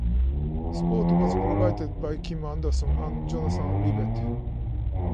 Sport was provided by Kim Anderson and Jonathan Rivett.